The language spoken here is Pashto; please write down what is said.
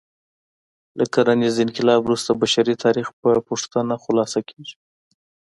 له کرنیز انقلاب وروسته بشري تاریخ په پوښتنه خلاصه کېږي.